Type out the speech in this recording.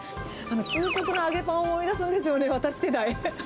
給食の揚げパンを思い出すんですよね、私世代。